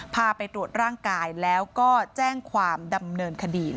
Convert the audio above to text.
พาไปตรวจร่างกายแล้วก็แจ้งความดำเนินคดี